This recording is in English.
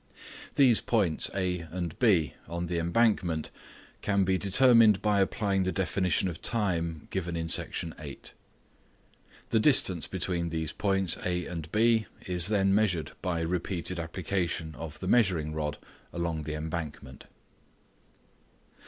These points A and B of the embankment can be determined by applying the definition of time given in Section 8. The distance between these points A and B is then measured by repeated application of thee measuring rod along the embankment.